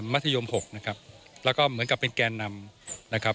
มัธยม๖แล้วก็เหมือนกับเป็นแกนนำ